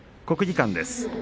国技館です。